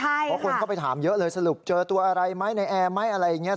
เพราะคนเข้าไปถามเยอะเลยสรุปเจอตัวอะไรไหมในแอร์ไหมอะไรอย่างนี้